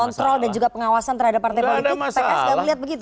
kontrol dan juga pengawasan terhadap partai politik pks gak melihat begitu